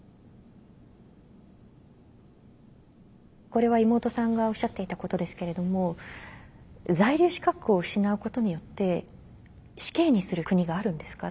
これは妹さんがおっしゃっていたことですけれども「在留資格を失うことによって死刑にする国があるんですか」